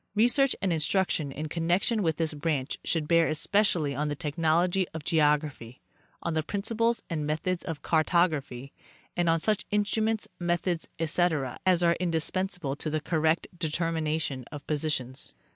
Research and instruction in connection with this branch should bear especially on the technology of geography, on the principles and methods of car tography, and on such instruments, methods, etc, as are indis pensable to the correct determination of positions.